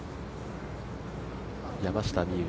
山下美夢